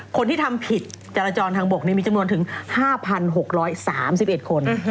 คนที่ทำผิดจรจรทางบกมีจำนวนถึง๕๖๓๑คน